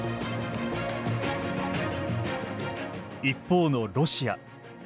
一方のロシア。